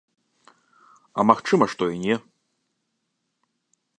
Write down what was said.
А магчыма, што і не.